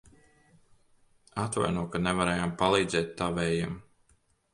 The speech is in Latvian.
Atvaino, ka nevarējām palīdzēt tavējiem.